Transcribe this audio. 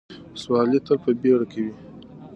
سوارلۍ تل په بیړه کې وي.